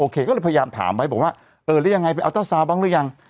โอเคก็เลยพยายามถามไบร์ทบอกว่าเออแล้วยังไงไปเอาเจ้าซาบ้างหรือยัง